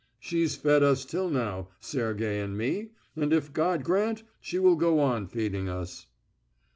She's fed us till now, Sergey and me, and if God grant, she will go on feeding us."